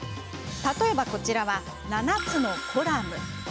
例えば、こちらは７つのコラム。